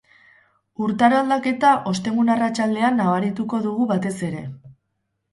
Urtaro aldaketa ostegun arratsaldean nabarituko dugu batez ere.